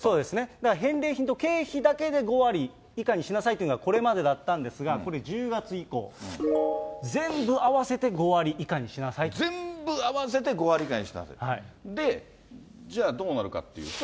だから返礼品と経費だけで５割以下にしなさいというのがこれまでだったんですが、これ１０月以降、全部合わせて５割以下にしなさい全部合わせて５割以下にしなさい？で、じゃあどうなるかっていうと。